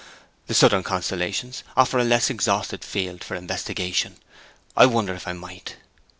The southern constellations offer a less exhausted field for investigation. I wonder if I might!'